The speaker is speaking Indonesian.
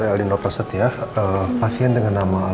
kebat dan kuat